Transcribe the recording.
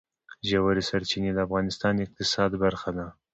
ژورې سرچینې د افغانستان د اقتصاد برخه ده.